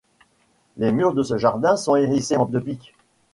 Les murs de ce jardin sont hérissés de piques.